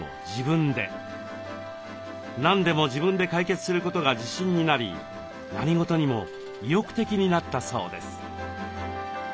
何でも自分で解決することが自信になり何事にも意欲的になったそうです。